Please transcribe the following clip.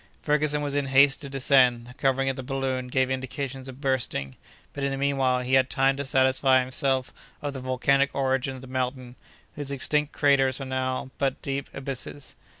Ferguson was in haste to descend; the covering of the balloon gave indications of bursting, but in the meanwhile he had time to satisfy himself of the volcanic origin of the mountain, whose extinct craters are now but deep abysses.